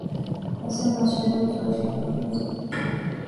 ასევე მას შეეძლო ბრძოლაში გამარჯვებაც მოეტანა.